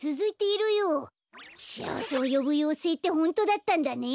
しあわせをよぶようせいってホントだったんだね！